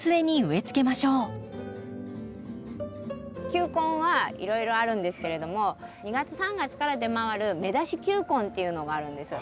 球根はいろいろあるんですけれども２月３月から出回る芽出し球根っていうのがあるんです。